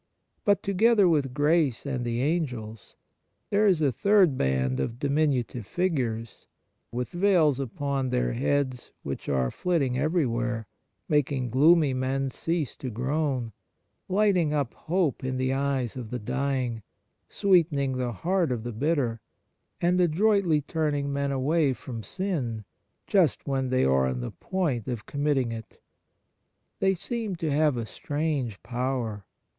But together with grace and the Angels there is a third band of diminutive figures, with veils upon their heads which are flitting everywhere, making gloomy men cease to groan, light ing up hope in the eyes of the dying, 30 Kindness sweetening the heart of the bitter, and adroitly turning men away from sin just when they are on the point of committing it. They seem to have a strange power.